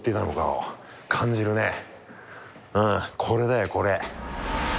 これだよこれ。